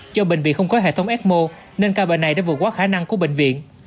do bệnh viện không có hệ thống ecmo nên ca bệnh này đã vượt qua khả năng của bệnh viện